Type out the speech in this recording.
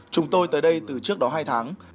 chúng tôi tới đây từ trước đó hai tháng